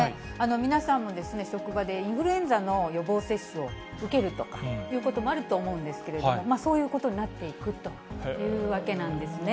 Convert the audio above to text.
皆さんも職場でインフルエンザの予防接種を受けるとかいうこともあると思うんですけれども、そういうことになっていくというわけなんですね。